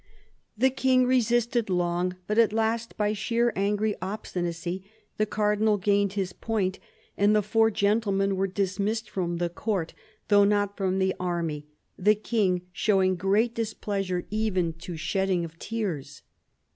The King resisted long, but at last, by sheer angry obstinacy, the Cardinal gained his point, and the four gentlemen were dismissed from the Court, though not from the army; the King showing " great displeasure, even to shedding of tears."